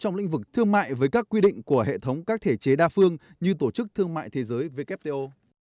trong lĩnh vực thương mại với các quy định của hệ thống các thể chế đa phương như tổ chức thương mại thế giới wto